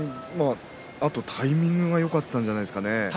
あとタイミングがよかったんじゃないでしょうかね。